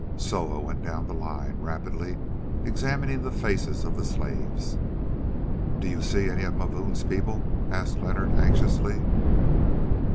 Soa went down the line, rapidly examining the faces of the slaves. "Do you see any of Mavoom's people?" asked Leonard anxiously.